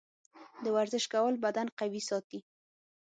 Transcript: د ورزش کول بدن قوي ساتي.